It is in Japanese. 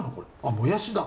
もやしだ！